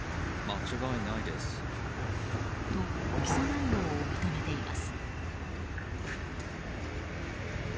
と、起訴内容を認めています。